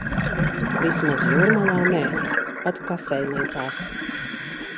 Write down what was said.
Vismaz Jūrmalā nē. Pat kafejnīcās.